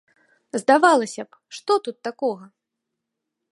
Здавалася б, што тут такога?